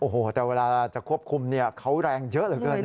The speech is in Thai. โอ้โหแต่เวลาจะควบคุมเขาแรงเยอะเหลือเกินนะ